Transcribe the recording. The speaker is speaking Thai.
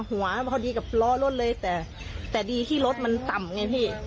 หัวพอดีกับล้อรถเลยแต่ดีที่รถมันต่ำไงพี่